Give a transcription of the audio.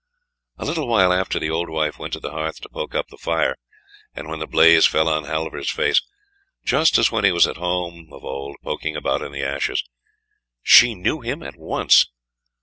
A little while after the old wife went to the hearth to poke up the fire, and when the blaze fell on Halvor's face, just as when he was at home of old poking about in the ashes, she knew him at once.